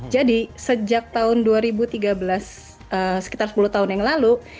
jadi sejak tahun dua ribu tiga belas sekitar sepuluh tahun yang lalu